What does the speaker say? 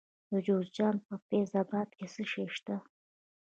د جوزجان په فیض اباد کې څه شی شته؟